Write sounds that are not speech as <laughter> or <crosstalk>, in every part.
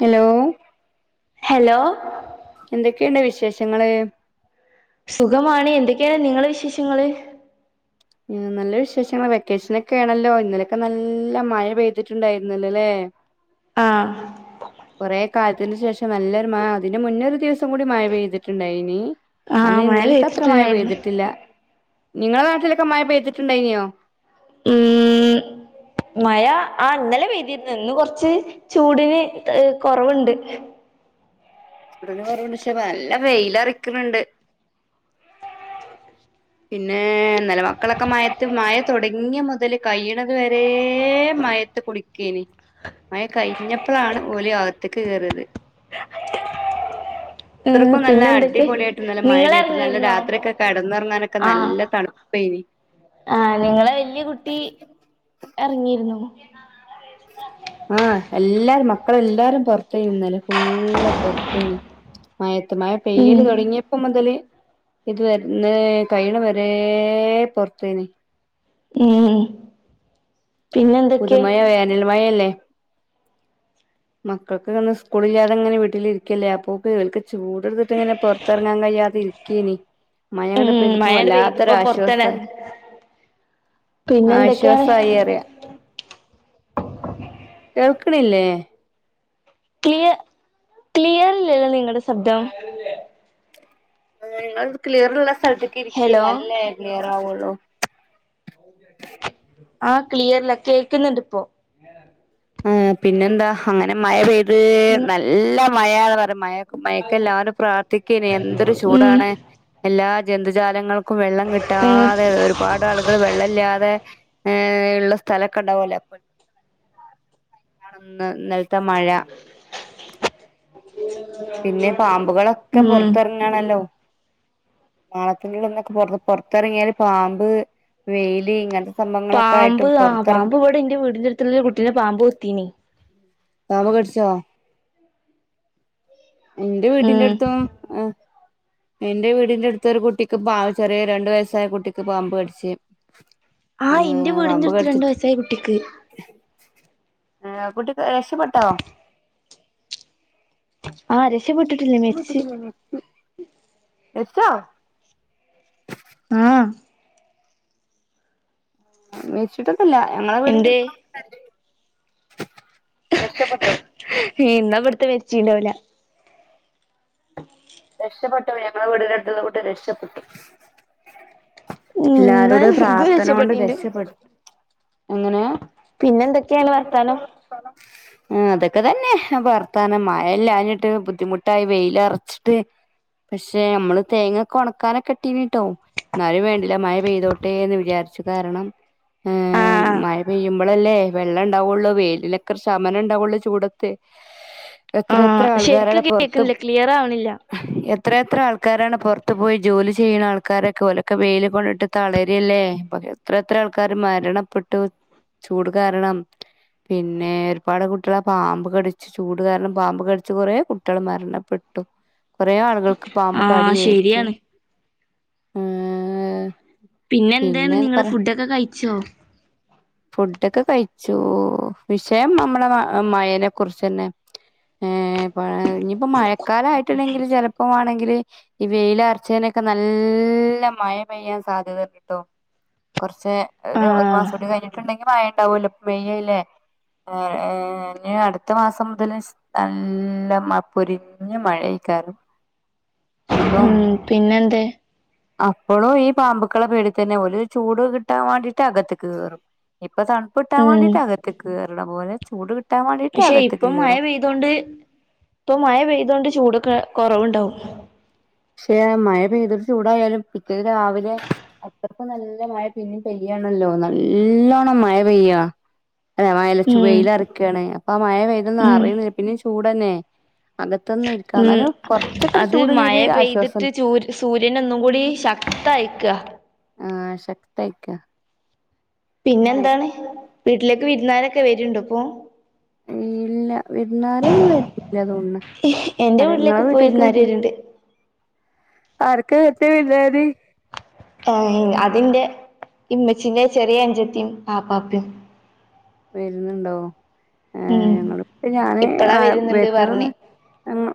Hello hello എന്തൊക്കെണ്ട് വിശേഷങ്ങള് സുഖമാണ് എന്തൊക്കെയാ നിങ്ങളെ വിശേഷങ്ങള് മ് നല്ല വിശേഷങ്ങൾ വെക്കേഷനൊക്കെണേല്ലോ ഇന്നലൊക്കെ നല്ല മഴ പെയ്തിട്ടുണ്ടായിരുന്നല്ലോ ല്ലേ ആഹ് കൊറേ കാലത്തിന് ശേഷം നല്ലൊരു മ അതിന്റെ മുന്നൊരു ദിവസം കൂടി മഴ പെയിതിട്ട്ണ്ടായിനി ആഹ് അന്ന് മഴ ഇന്നലത്തത്ര മഴ പെയ്തിട്ടുണ്ടായിരുന്നു പെയ്തിട്ടില്ല നിങ്ങളെ നാട്ടില് മഴ പെയിതിട്ട്ണ്ടായിനിയോ ഉം മഴ ആ ഇന്നലെ പെയ്തിരിന്നു ഇന്ന് കൊറച്ച് ചൂടിന് ഏഹ് കൊറവ്ണ്ട് <unintelligible> നല്ല വെയിലെറിക്ക്ണിണ്ട് പിന്നെ ഇന്നലെ മക്കളൊക്കെ മഴത്ത് മഴ തൊടങ്ങിയ മൊതല് കയ്യിണത് വെരെ മഴേത്ത് കുളിക്കേനി, മഴ കഴിഞ്ഞപ്പഴാണ് ഓല് അകത്തേക്ക് കേറിയത്. ഉം ഇത്രക്കും നല്ല പിന്നെ എന്തൊക്കെ അടിപൊളിയായിട്ട് ഇന്നലെ മഴ പെയ്തത് നല്ല രാത്രി ഒക്കെ കെടന്നൊറങ്ങാനൊ ആ ആ നിങ്ങളെ വലിയ കുട്ടി എറങ്ങിയിരുന്നു ഉം <unintelligible> ആഹ് എല്ലാരും മക്കളെല്ലാരും പൊറത്തെനി ഇന്നലെ ഫുള്ള് പൊറത്തെനി മഴ മഴ ഉം പെയ്യല് തുടങ്ങിപ്പ മൊതല് ഇത് ഇന്നലേ കഴിയണ വെരെ പൊറത്തേനി ഉം പിന്നെന്തൊക്കെ മഴല്ലെ മക്കൾക്കിന്ന് സ്കൂളില്ലാതെങ്ങനെ വീട്ടിലിരിക്കല്ലേ അപ്പോ <unintelligible> ചൂട് എടുത്തിട്ടിങ്ങനെ പൊറത്തിറങ്ങാൻ കഴിയാതെ ഇരിക്കേനി, മഴ ഇങ്ങട് ഉം പെയ്തപ്പോ മഴാണ്ട് വല്ലാത്തൊരു പെയ്തപ്പോ പൊറത്താണ്ട് ആശ്വാസാ എറങ്ങി പിന്നെ എന്തൊക്കെയാണ് ആശ്വാസായി അറിയാ. കേൾക്ക്‌ണില്ലേ ക്ലിയ ക്ലിയർ ഇല്ലല്ലോ നിങ്ങടെ ശബ്ദം നിങ്ങള് ക്ലിയറുള്ള സ്ഥലത്തിക്ക്‌ ഇരിക്കി ഹലോ ഇന്നാലല്ലേ ക്ലിയർ ആവൊള്ളൂ ആ ക്ലിയറില്ല കേക്കുന്ന്ണ്ട്പ്പോ ആ പിന്നെന്താ അങ്ങനെ മഴ പെയ് ഹ് ഉം നല്ല മയാന്ന് പറിം മയ മഴക്ക്‌ എല്ലാരും പ്രാർത്തിക്കെനി എന്തൊരു ചൂടാണ് ഉം എല്ലാ ജന്തുജാലങ്ങ ക്കും വെള്ളം കിട്ടാതെ ഒരുപാട് ആളുകൾ വെള്ളല്ലാതെ ഏ ള്ള സ്ഥലക്കെ ണ്ടാവലേ അ ന്ന് ഇന്നൽത്തെ മഴ പിന്നെ പാമ്പുകളൊക്കെ ഉം പൊറത്ത്റങ്ങാണല്ലോ മാളത്തിന്റെ ള്ള്ന്നൊക്കെ പൊറ് പൊറത്ത്റങ്ങിയാല് പാമ്പ് വെയില് ഇങ്ങൻ പാമ്പ് ആ പാമ്പ്വ്ടെ ഇന്റെ വീടിന്റെ അടുത്തുള്ളൊരു കു ട്ടീനെ പാമ്പ് കൊത്തീനി പാമ്പ് കടിച്ചോ എന്റെ ഉം വീട്ടിന്റടുത്തും എ എന്റെ വീടിന്റെ അടുത്തൊരു കുട്ടിക്ക് പാ ചെറിയ രണ്ട് വയസ്സായ കുട്ടിക്ക് പാമ്പ് കടിച്ച് ആ ഇന്റെ ഏഹ് വീടിന്റട്ത്ത് രണ്ട് വയസ്സായ കുട്ടിക്ക് ഏ ആ കുട്ടി രക്ഷപ്പെട്ടോ ആ രഷ് പ്പെട്ടിട്ടില്ല മര്ച്ച് എപ്പോ ആഹ് മരിച്ചിട്ട് ല്ല ഞങ്ങളെ എന്തേ വീടിന്റെട് ഇന്നാവിട്ത്തെ മരിച്ചീണ്ടാവൂല രഷപ്പെട് ഞങ്ങളെ വീട്ന്റെട്ത്ത്ള്ള കുട്ടി രക്ഷപ്പെട്ടു ഇന്ന് എല്ലാരോട ഇത് പ്രാർത്ഥനോണ്ട് രക്ഷപ്പെ പിന്നെന്തൊക്കെയാണ് വർത്താനം ആ അതൊക്കെ തന്നെ വർത്താനം മഴല്ലാഞ്ഞിട്ട് ബുദ്ധിമുട്ടായി വെയിലറച്ച് ട്ട് പക്ഷെ മ്മള് തേങ്ങൊക്കെ ഒണക്കാനൊക്കെ ഇട്ടിന്ട്ടോ ന്നാലും വേണ്ടീല്ല മഴ പെയ്തോട്ടേന്ന് വിചാര്ച്ചു കാരണം ഏ ആഹ് മഴ പെയ്യ്മ്പളല്ലേ വെള്ളണ്ടാവുള്ളൂ വെയിലിലൊക്കെ ഒരു ശമനണ്ടാവുള്ളൂ ചൂടത്ത് ആ എത്ര ശരിക്ക് കേക്ക്ന്നില്ല ക്ലിയറാവണി എ എത്ര എത്ര ആൾക്കാരാണ് പുറത്ത് പോയി ജോലി ചെയ്യ്ണ ആൾക്കാരൊക്കെ ഓലൊക്കെ വെയ്ല് കൊണ്ടിട്ട് തളര്ല്ലേ. എത്ര എത്ര ആൾക്കാര് മരണപ്പെട്ടു ചൂട് കാരണം. പിന്നെ ഒരുപാട് കുട്ട്യാളെ പാമ്പ് കടിച്ചു ചൂട് കാരണം പാമ്പ് കടിച്ച് കുറേ കുട്ട്യാള് മരണപ്പെട്ടു. കുറേ ആളുകൾക്ക് പാമ്പ് കടി ആഹ് ഏറ്റു. ശരിയാണ് ഹ് പിന്നെ എന്തേണ് നിങ്ങള് ഫുഡൊക്കെ കഴിച്ചോ? ഓഹ് വിഷയം നമ്മടെ മയനെ കുറിച്ച്ന്നെ ഏ പ ഇനിയിപ്പോ മഴക്കാലമായിട്ട് ല്ലങ്കില് ചിലപ്പോ മ ണെങ്കില് ഈ വെയിലർച്ചേനൊക്കെ നല്ല മഴ പെയ്യാൻ സാധ്യതണ്ട്ട്ടോ കൊറ ക്ഷെ ഒരു മാസം ആഹ് കൂടി കഴിഞ്ഞിട്ടുണ്ടെങ്കിൽ മായണ്ടാവുല്ലോ മെയ്യായ്ല്ലേ ഏ ഏ അടുത്ത മാസം മുതൽ നല്ല മ പൊരിഞ്ഞമയ യ് ക്കാരം ഉം പിന്നെ എന്തേ അപ്പോഴു ഈ പാമ്പുക്കളെ പേടി തന്നെ ഒരു ചൂട് കിട്ടാൻ വേണ്ടിയിട്ട് അകത്ത്കേറും ഇ പ്പ തണുപിട്ടാൻ ഉം വേണ്ടിട്ട അകത്തെക്ക്കേയറുന്നപോലെ ചൂട് കിട്ടാൻ വേണ്ടിട്ട് പക്ഷെ അകത്ത്ക്ക് ഇപ്പം മഴ കേറും പെയ്തൊണ്ട് ഇപ്പം മഴ പെയ്തോണ്ട് ചൂട്ക്കേ കുറവുണ്ടാവും പക്ഷെ മഴ പെയ്തൊരു ചൂടായാലും പിറ്റേത് രാവിലെ അത്രപ്പ നല്ല മഴ പിന്നും പെയ്യാണല്ലോ നല്ലോണം മഴ പെയ്യ <unintelligible> ഉം വെയില് അടിക്കുവയാണ് അപ്പൊ മഴ പെയതൊന്ന് ഉം അറിയില്ല പിന്ന ചൂട് <unintelligible> അകത്തന്ന ഇരിക്കാം ഉം എന്നാലും കുറച്ചക്കെ അത് ചൂടിനൊരു ആശ് <unintelligible> ചൂ സൂര്യന ഒന്നും കൂടി ശക്തആയേക്കുവ ആ ശക്തയിക്ക പിന്നന്താണ് വീട്ടിലേക് രുന്നാരൊക്കെ വരുണ്ട് ഇപ്പോ ഇല്ല വിരുന്നാരൊന്നും വരുത്തില്ല തോണന്ന് എന്റെ അതെ നിങ്ങളെ വീട്ടിലേക്ക് ഇപ്പോ വിരുന്നാര് വീട്ടിലേക്ക് വരുണ്ട് ആർക്ക പറ്റ ഇല്ലത് ആ.. അതിന്റെ ഇമ്മച്ചിന്റെ ചെറിയ അന്ഞ്ചത്തി ആപ്പാപ്പാണ് വരുന്നുണ്ടോ ഏ ഉം ഞങ്ങളിപ്പ ഞാന് ഇപ്പളാ ആ വരുന്നുണ്ട് പറഞ്ഞ് വരുന്നന്ന് ഞങ്ങ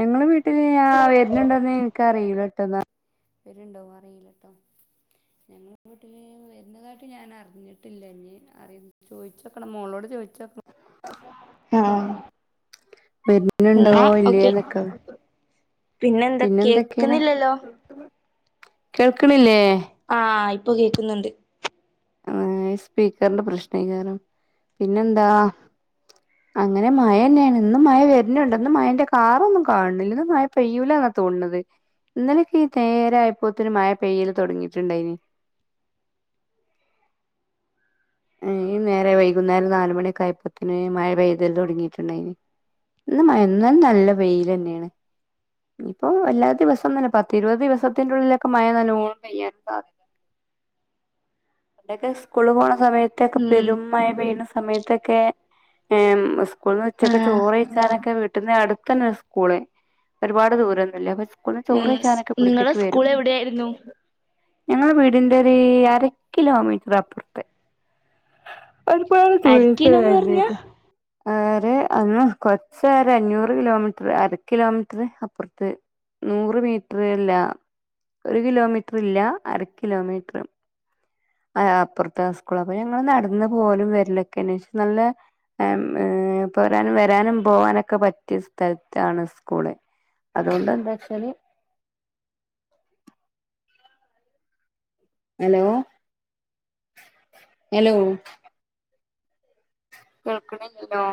ഞങ്ങള് വീട്ടില് ആ വരുന്നുണ്ടെന്ന് എനിക്കറിയൂല്ല പിന്ന വരുണ്ടോ ആരെങ്കിലൊക്ക ഞങ്ങളുടെ വീട്ടിൽ വരുന്നതായിട്ട് ഞാൻ അറിഞ്ഞിട്ടില്ല ഇനി അറിയി ചോദിച്ചോക്കണം മോളോട് ചോദിച്ചോക്കണം ആഹ് എന്നാ വരുന്നുണ്ടാവോ ഓക്കെ ഇല്ലയേന്നൊക്ക പിന്നെന്താ കേക്കുന്നില്ലല്ലോ ക്കണില്ലേ ആ ഇ ഇപ്പ കേക്കുന്നുണ്ട് ഏ സ്പീക്കറിന്റെ പ്രശ്നയ്ക്കാരം പിന്നെന്താ അങ്ങനെ മയ തന്നെയാണ് ഇന്നും മയ വരുന്നുണ്ട് മന്നും മയന്റെ കാറൊന്നും കാണണില്ലന്നും മയ പെയ്യൂലന്ന തോന്നണത് ഇന്നലക്കെ ഈ നേര ആയപ്പോത്തന് മയ പെയ്യല് തൊടങ്ങിട്ടുണ്ടായിനി ഈ നേരെ വൈകുന്നേരം നാലുമണിയൊക്കെ ആയപ്പത്തിന് മയ പെയ്ത് തുടങ്ങിയിട്ടുണ്ടായിന് ഇന്ന് മഴ എന്നാലും നല്ല വെയില് തന്നെയാണ് ഇപ്പൊ വല്ലാത്ത ദിവസം തന്ന പത്തിരുപത് ദിവസത്തിന്റെ ഉള്ളിലൊക്കെ മയ നല്ലണം പെയ്യാനും സാധ്യതയൊക്കെ ഇസ്കൂളിലേക്ക് പോണ സമയത്ത് <unintelligible> ഉം പെരും മഴ പെയ്യണസ സമയത്തൊക്കെ ഏ സ് ക്കൂൾന്ന് ഉച്ചക്ക് ആഹ് ചോറ് വെഴിച്ചാനൊക്കെ വി <unintelligible> അടുത്ത് തന്നെ സ്കൂള് ഒരുപാട് ദൂരൊന്നുല്ല പക്ഷ ഉം സ് നിങ്ങളെ സ്കൂൾ എവിടെയായിരുന്നു ഞങ്ങള വീടിന്റെ ഒരു അര കിലോമീറ്റർ അപ്പുറത്ത് അതിപ്പോ അരിക്കയിലോന്ന് പറഞ്ഞാ <unintelligible> ആര് അന്ന് കൊറച്ച നേര അഞ്ഞൂറ് കിലോമീറ്റർ അര കിലോമീറ്റർ അപ്പുറത്ത് നൂറ് മീറ്റർ അല്ല ഒരു കിലോമീറ്റർ ഇല്ല അര കിലോമീറ്റർ അപ്പുറത്ത് ആ സ് സ്കൂള അപ്പൊ ഞങ്ങള് നടന്ന് പോലും വരിലൊക്കെേ ന്നെ പക്ഷെ നല്ല മ്മ് പോരാനും വരാനും പോവാനൊക്കെ പറ്റിയ സ്ഥലത്താണ് സ്കൂള് അതുകൊണ്ട് എന്താച്ചാല് ഹലോ ഹലോ കേൾക്കണില്ലല്ലോ